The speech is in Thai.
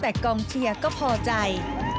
แต่กองเชียร์ก็พอใจ